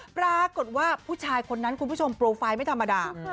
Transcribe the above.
ปรากฏว่าผู้ชายคนนั้นคุณผู้ชมโปรไฟล์ไม่ธรรมดา